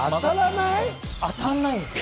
当たらないんですよ。